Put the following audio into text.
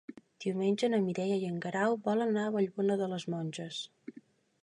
Diumenge na Mireia i en Guerau volen anar a Vallbona de les Monges.